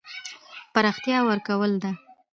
پراختیا ورکول ده.